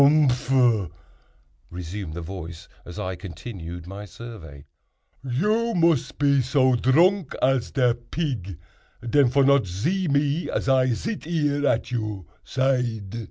"Humph!" resumed the voice, as I continued my survey, "you mus pe so dronk as de pig, den, for not zee me as I zit here at your zide."